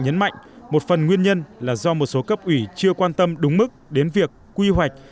nhấn mạnh một phần nguyên nhân là do một số cấp ủy chưa quan tâm đúng mức đến việc quy hoạch